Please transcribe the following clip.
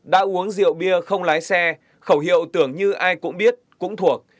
đã uống rượu bia không lái xe khẩu hiệu tưởng như ai cũng biết cũng thuộc